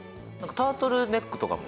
タートルネックも。